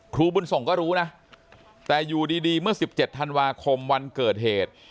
ครูบุญส่งก็รู้นะแต่อยู่ดีเมื่อ๑๗ธันวาคมวันเกิดเหตุ